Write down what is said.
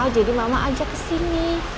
jadi mama ajak kesini